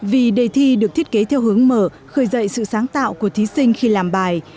vì đề thi được thiết kế theo hướng mở khởi dậy sự sáng tạo của thí sinh khi làm bài